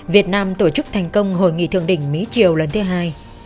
việt nam tổ chức thành công hội nghị thượng đỉnh mỹ triều lần thứ hai